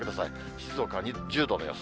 静岡は１０度の予想。